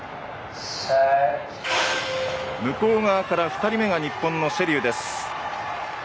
向こう側から２人目が日本の瀬立です。